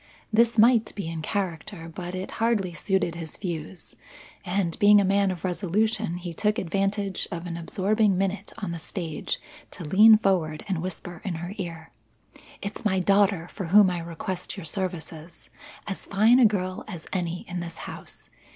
This might be in character but it hardly suited his views; and, being a man of resolution, he took advantage of an absorbing minute on the stage to lean forward and whisper in her ear: "It's my daughter for whom I request your services; as fine a girl as any in this house.